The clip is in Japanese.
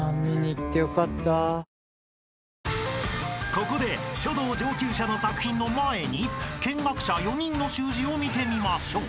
［ここで書道上級者の作品の前に見学者４人の習字を見てみましょう］